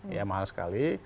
ya mahal sekali